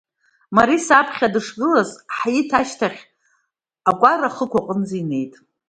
Мариса аԥхьа дышгылаз, Ҳаиҭ ашьҭахь акәара ахықә аҟынӡа инеит.